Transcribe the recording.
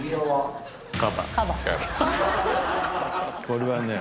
これはね。